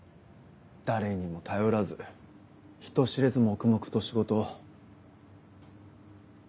誰にも頼らず人知れず黙々と仕事を。